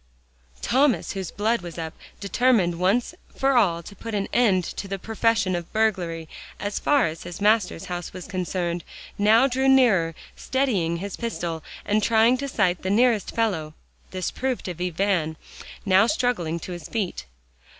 Thomas, whose blood was up, determined once for all to put an end to the profession of burglary as far as his master's house was concerned, now drew nearer, steadying his pistol and trying to sight the nearest fellow. This proved to be Van, now struggling to his feet.